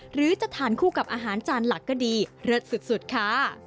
หรือจะทานคู่กับอาหารจานหลักก็ดีเลิศสุดค่ะ